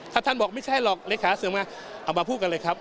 ถ้าท่านบอกไม่ใช่หรอกเลขาเสริมงามเอามาพูดกันเลยครับ